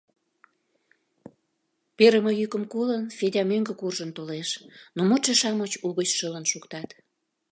Перыме йӱкым колын, Федя мӧҥгӧ куржын толеш, но модшо-шамыч угыч шылын шуктат.